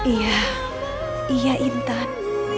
iya iya intan